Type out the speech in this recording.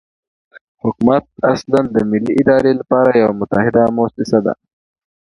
حکومت اصلاً د ملي ادارې لپاره یوه متحده موسسه ده.